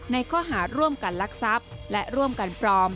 ข้อหาร่วมกันลักทรัพย์และร่วมกันปลอม